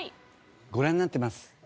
ご覧になってます。